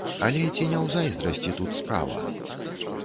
Але ці не ў зайздрасці тут справа?